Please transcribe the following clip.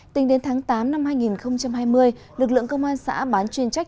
tính đến tháng tám năm hai nghìn hai mươi lực lượng công an xã bán chuyên trách